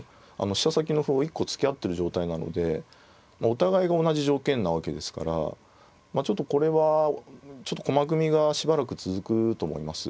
飛車先の歩を１個突き合ってる状態なのでお互いが同じ条件なわけですからちょっとこれはちょっと駒組みがしばらく続くと思います。